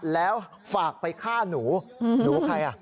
แล้วฝากไปฆ่าหนูหนูใครอ่ะ